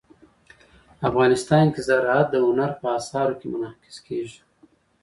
افغانستان کې زراعت د هنر په اثار کې منعکس کېږي.